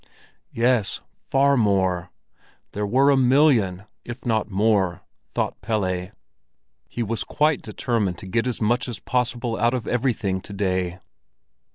Yes, far more! There were a million, if not more, thought Pelle. He was quite determined to get as much as possible out of everything to day.